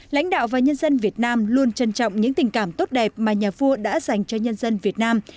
lãnh đạo và nhân dân việt nam luôn trân trọng những tình cảm tốt đẹp mà nhà vua đã dành cho nhân dân việt nam